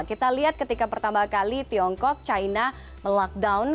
kita lihat ketika pertama kali tiongkok china melockdown